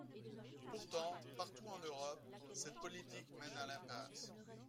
Pourtant, partout en Europe, cette politique mène à l’impasse.